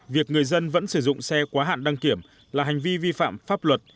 việc người dân vẫn sử dụng xe quá hạn đăng kiểm là hành vi vi phạm pháp luật